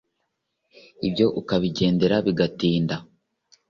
Ibyo ukabigendera bigatinda